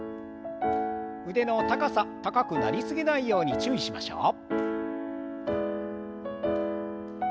腕の高さ高くなりすぎないように注意しましょう。